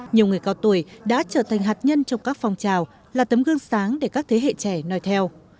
nhiều người cao tuổi đã trở thành hạt nhân trong các phong trào là tấm gương sáng để các thế hệ trẻ nói theo